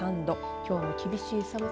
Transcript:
きょうも厳しい寒さ